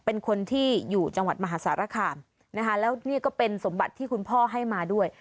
เป็นคนที่อยู่จังหวัดมหาสารคามนะคะแล้วนี่ก็เป็นสมบัติที่คุณพ่อให้มาด้วย